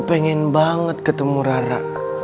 bahkan gue pengen banget ketemu rara